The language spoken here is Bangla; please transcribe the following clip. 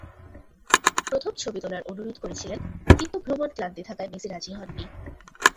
প্রথম ছবি তোলার অনুরোধ করেছিলেন, কিন্তু ভ্রমণক্লান্তি থাকায় মেসি রাজি হননি।